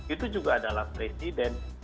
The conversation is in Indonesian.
itu juga adalah presiden